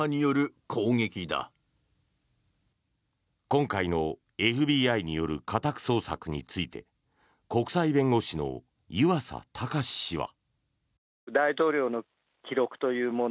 今回のＦＢＩによる家宅捜索について国際弁護士の湯浅卓氏は。